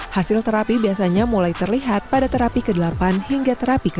hasil terapi biasanya mulai terlihat pada terapi ke delapan hingga terapi ke enam